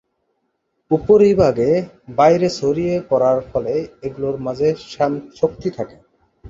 উপরিভাগে বাইরে ছড়িয়ে পড়ার ফলে এগুলোর মাঝে শক্তি থাকে।